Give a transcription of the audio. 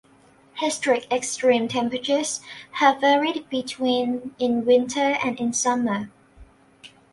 Historic extreme temperatures have varied between in winter and in summer.